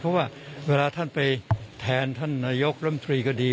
เพราะว่าเวลาท่านไปแทนท่านนายกรมตรีก็ดี